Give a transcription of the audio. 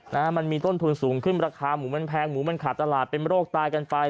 นะฮะมันมีต้นทุนสูงขึ้นราคาหมูมันแพงหมูมันขาดตลาดเป็นโรคตายกันไป